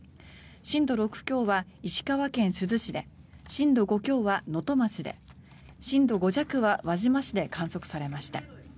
震度６強は石川県珠洲市で震度５強は能登町で震度５弱は輪島市で観測されました。